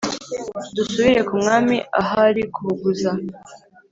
dusubire kumwami ahari kubuguza